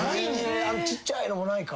ちっちゃいのもないか。